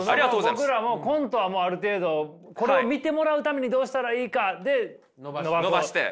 僕らもコントはもうある程度これを見てもらうためにどうしたらいいかで伸ばそう。